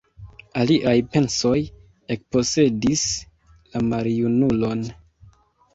Aliaj pensoj ekposedis la maljunulon.